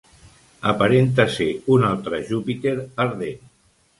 Aparenta ser un altre Júpiter ardent.